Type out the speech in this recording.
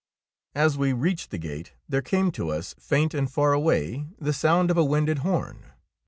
As we reached the gate, there came to us, faint and far away, the sound of a winded horn.